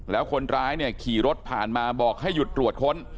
แล้วคนร้ายเนี่ยขี่รถผ่านมาบอกให้หยุดตรวจค้น